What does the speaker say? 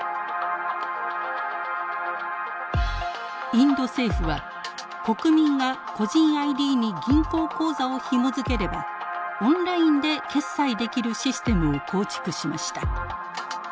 インド政府は国民が個人ＩＤに銀行口座をひも付ければオンラインで決済できるシステムを構築しました。